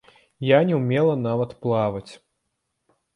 Я не ўмела нават плаваць!